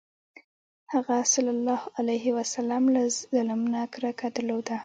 هغه ﷺ له ظلم نه کرکه درلوده.